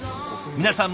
皆さん